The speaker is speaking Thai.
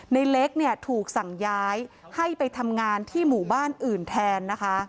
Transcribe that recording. ในเล็กเนี่ยถูกสั่งย้ายให้ไปทำงานที่หมู่บ้านอื่นแทนนะคะ